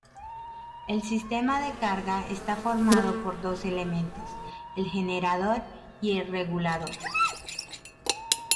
El sistema de carga está formado por dos elementos, el generador y el regulador.